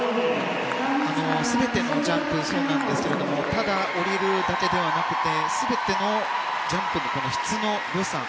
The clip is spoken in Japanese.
全てのジャンプがそうなんですがただ降りるだけではなくて全てのジャンプの質の良さ。